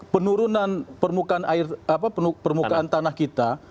penurunan permukaan air apa permukaan tanah kita